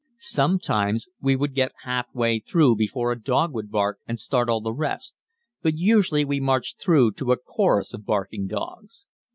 Sometimes we would get half way through before a dog would bark and start all the rest, but usually we marched through to a chorus of barking dogs.